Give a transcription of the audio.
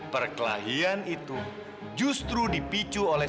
perkelahian itu justru dipicu oleh